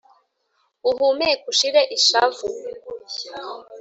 uhumeke ushire ishavu